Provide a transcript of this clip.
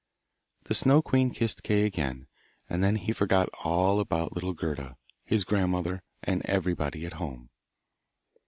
The Snow queen kissed Kay again, and then he forgot all about little Gerda, his grandmother, and everybody at home.